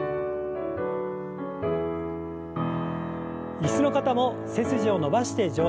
椅子の方も背筋を伸ばして上体を前に。